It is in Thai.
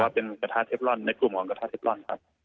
เพราะว่าเป็นกระทะเทบรอน